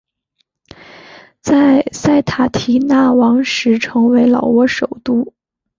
在塞塔提腊王时成为老挝首都。